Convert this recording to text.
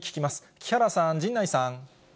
木原さん、陣内さん。